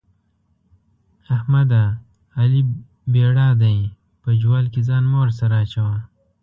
احمده؛ علي بېړا دی - په جوال کې ځان مه ورسره اچوه.